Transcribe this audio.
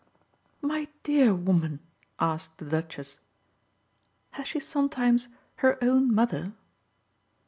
"My dear woman," asked the Duchess, "has she sometimes her own mother?"